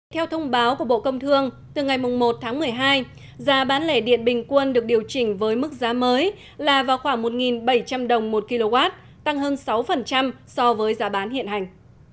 theo thông báo của bộ công thương từ ngày một tháng một mươi hai giá bán lẻ điện bình quân được điều chỉnh với mức giá mới là vào khoảng một bảy trăm linh đồng một kw tăng hơn sáu so với giá bán hiện hành